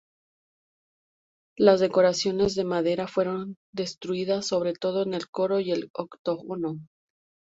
Las decoraciones de madera fueron destruidas, sobre todo en el coro y el octógono.